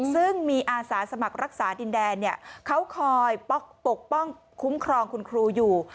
ซึ่งมีอาสาสมัครรักษาดินแดนเขาคอยปกป้องคุ้มครองคุณครูอยู่